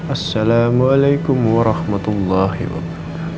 assalamualaikum warahmatullahi wabarakatuh